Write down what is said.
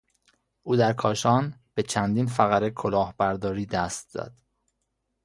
او در کاشان به چندین فقره کلاهبرداری دست زد.